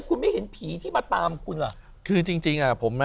คุณไม่เห็นผีที่มาตามคุณหรอคือจริงผมน่ะ